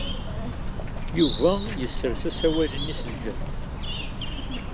Yuba yessers asawal-nni s ljehd.